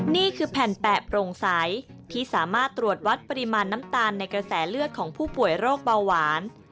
นี่คือแผ่นแปะโปร่งใสที่สามารถตรวจวัดปริมาณน้ำตาลในกระแสเลือดของผู้ป่วยโรคเบาหวาน